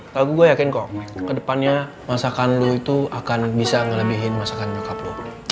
lagu gua yakin kok kedepannya masakan lu itu akan bisa ngelebihin masakan nyokap lu